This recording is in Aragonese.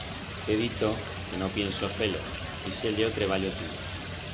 T'he dito que no pienso fer-lo, ixe ye o treballo tuyo.